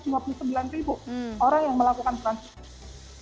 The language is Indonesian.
eee orang yang melakukan transit